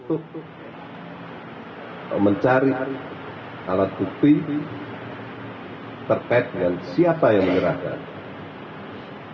untuk mencari alat bukti terkait dengan siapa yang menyerahkan